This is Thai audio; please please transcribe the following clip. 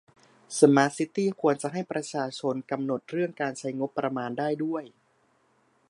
สมาร์ทซิตี้ควรจะให้ประชาชนกำหนดเรื่องการใช้งบประมาณได้ด้วย